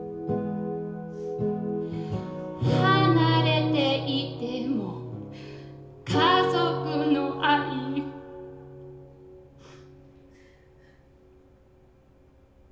「離れていても家族の愛は」